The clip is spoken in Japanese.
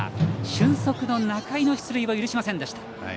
俊足の仲井の出塁を許しませんでした。